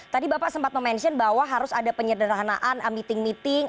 tadi bapak sempat mention bahwa harus ada penyederhanaan meeting meeting